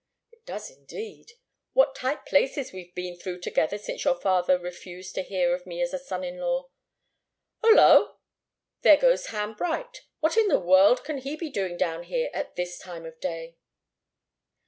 "It does, indeed. What tight places we've been through together since your father refused to hear of me as a son in law! Holloa! There goes Ham Bright! What in the world can he be doing down here at this time of day?"